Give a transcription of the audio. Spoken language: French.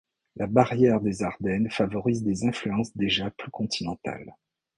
La barrière des Ardennes favorise des influences déjà plus continentales.